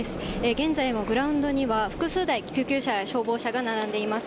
現在もグラウンドには複数台、救急車や消防車が並んでいます。